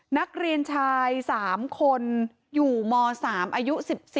นักเรียนชาย๓คนอยู่ม๓อายุ๑๔